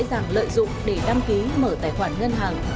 các đối tượng sẽ có tài khoản lợi dụng để đăng ký mở tài khoản ngân hàng